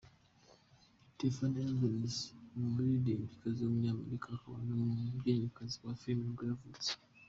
Tiffany Evans, umuririmbyikazi w’umunyamerika akaba n’umukinnyikazi wa film nibwo yavutse.